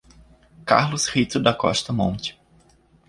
Carlos Rito da Costa Monte